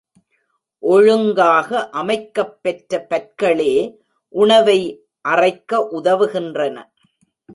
ஒழுங்காக அமைக்கப் பெற்ற பற்களே உணவை அறைக்க உதவுகின்றன.